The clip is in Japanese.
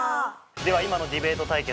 では今のディベート対決